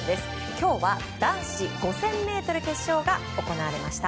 今日は男子５０００ｍ決勝が行われました。